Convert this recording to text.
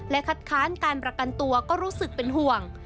คัดค้านการประกันตัวก็รู้สึกเป็นห่วง